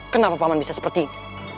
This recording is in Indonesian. kenapa pak man bisa seperti ini